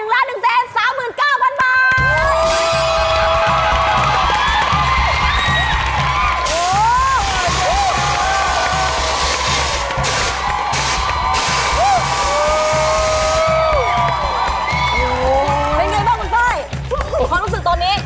เป็นไงบ้างคุณเต้ยความรู้สึกตอนนี้